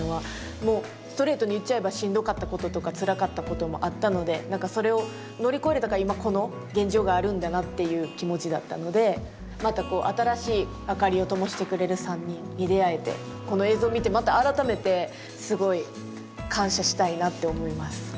もうストレートに言っちゃえばしんどかったこととかつらかったこともあったのでそれを乗り越えれたから今この現状があるんだなっていう気持ちだったのでまたこう新しい明かりをともしてくれる３人に出会えてこの映像を見てまた改めてすごい感謝したいなって思います。